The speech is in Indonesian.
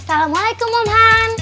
assalamualaikum om han